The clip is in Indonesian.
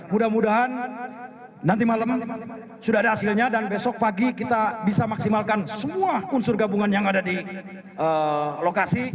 mudah mudahan nanti malam sudah ada hasilnya dan besok pagi kita bisa maksimalkan semua unsur gabungan yang ada di lokasi